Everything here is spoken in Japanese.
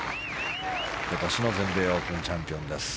今年の全米オープンチャンピオンです。